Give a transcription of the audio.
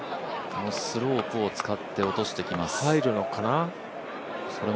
スロープを使って落としてきます。